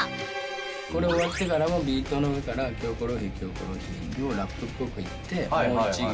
これ終わってからもビートの上から「キョコロヒーキョコロヒー」をラップっぽく言って。